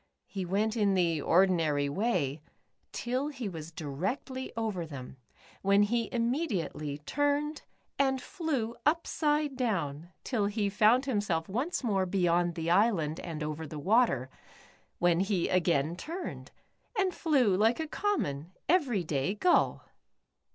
He went in the ordinary way till he was directly over them when he immediately turned and flew upside down till he found himself once more beyond the island and over the w^ater, when he again turned, and flew like a common, every day gull.